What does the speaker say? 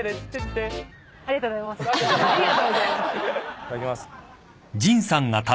いただきます。